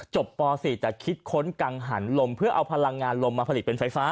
ป๔แต่คิดค้นกังหันลมเพื่อเอาพลังงานลมมาผลิตเป็นไฟฟ้า